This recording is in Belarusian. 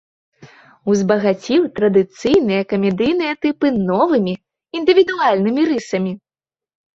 Узбагаціў традыцыйныя камедыйныя тыпы новымі, індывідуальнымі рысамі.